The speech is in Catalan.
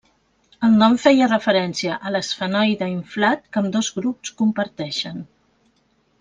El nom feia referència a l'esfenoide inflat que ambdós grups comparteixen.